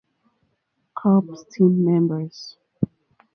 Corps team members.